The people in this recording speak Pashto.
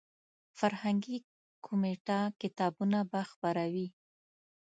فرهنګي کمیټه کتابونه به خپروي.